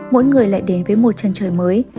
mỗi người lại đến với một chân trời mới